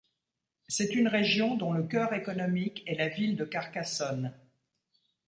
C'est une région dont le cœur économique est la ville de Carcassonne.